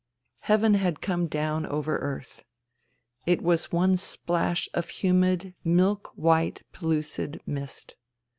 Heaven had come down over earth. It was one splash of humid, milk white, pellucid mist.